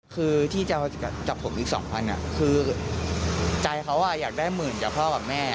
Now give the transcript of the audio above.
คือที่จะจับผมอีก๒๐๐คือใจเขาอยากได้หมื่นจากพ่อกับแม่